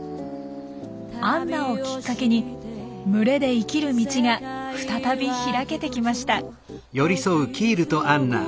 アンナをきっかけに群れで生きる道が再び開けてきました。